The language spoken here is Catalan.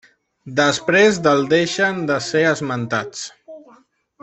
Després del deixen de ser esmentats.